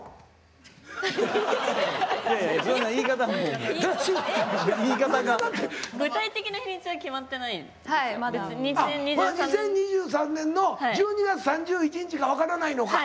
ほな２０２３年の１２月３１日か分からないのか。